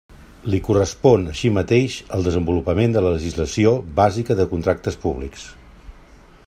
L'hi correspon així mateix el desenvolupament de la legislació bàsica de contractes públics.